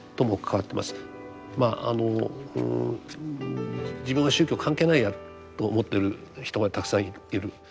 まあ自分は宗教関係ないやと思ってる人がたくさんいる。